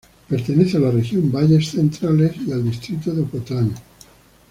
Pertenece a la Región Valles Centrales y al Distrito de Ocotlán.